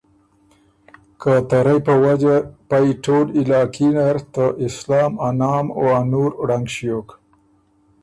ته که رئ په وجه پئ ټول علاقي نر ته اسلام ا نام او ا نُور ړنګ ݭیوک۔